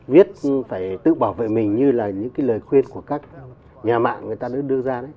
biết phải tự bảo vệ mình như là những lời khuyên của các nhà mạng